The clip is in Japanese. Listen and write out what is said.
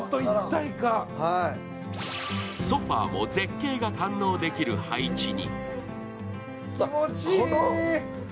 ソファーも絶景が堪能できる配置に。